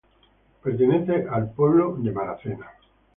Pertenece al pueblo de Richmond.